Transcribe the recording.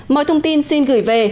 mọi thông tin xin gửi về